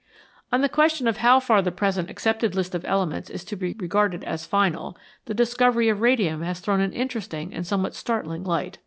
On the question how far the present accepted list of elements is to be regarded as final, the discovery of radium has thrown an interesting and somewhat startling light.